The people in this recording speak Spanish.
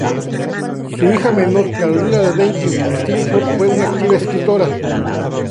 Su hija menor, Carolina de Bentheim-Steinfurt fue una activa escritora.